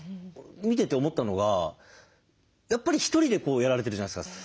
見てて思ったのがやっぱりひとりでやられてるじゃないですか。